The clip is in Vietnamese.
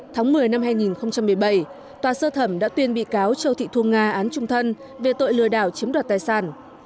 tháng một mươi năm hai nghìn một mươi bảy tòa sơ thẩm đã tuyên bị cáo châu thị thu nga án trung thân về tội lừa đảo chiếm đoạt tài sản